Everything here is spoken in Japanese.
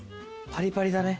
パリパリだね。